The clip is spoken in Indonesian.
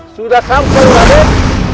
sudah sampai raden